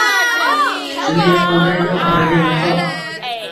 Shunda yo’qolgaymi orada nifoq?